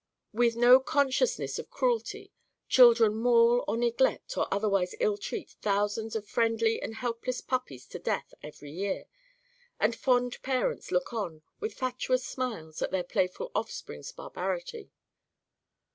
With no consciousness of cruelty, children maul or neglect or otherwise ill treat thousands of friendly and helpless puppies to death, every year. And fond parents look on, with fatuous smiles, at their playful offsprings' barbarity.